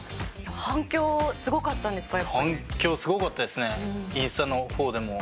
反響すごかったですね。